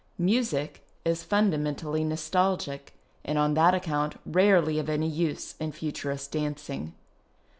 Music is fundamentally nostalgic, and on that account rarely of any use in Futurist dancing.